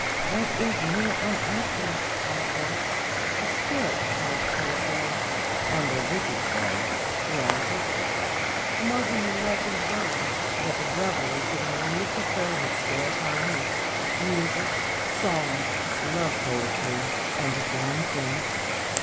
"That is more unearthly," I said; "a spirit might play so." "And a wicked one?" he answered. "The Mussulman legend runs, that the Devil is given leave to fill his spare time with music, song, love poetry, and dancing."